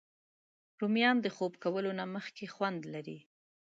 رومیان د خوب کولو نه مخکې خوند لري